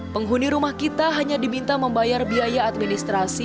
penghuni rumah kita hanya diminta membayar biaya administrasi